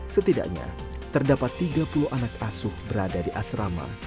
setidaknya terdapat tiga puluh anak asuh berada di asrama